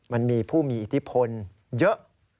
มันมีผู้มีอิทธิพลเยอะ